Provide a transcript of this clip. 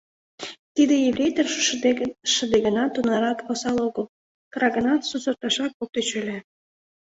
Тиде ефрейтор, шыде гынат, тунарак осал огыл, кыра гынат, сусырташак ок тӧчӧ ыле.